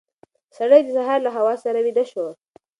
سړی د سهار له هوا سره ویده شو.